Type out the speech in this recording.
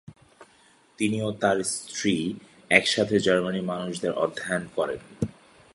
তিনি ও তার স্ত্রী একসাথে জার্মানির মানুষদের অধ্যয়ন করেন।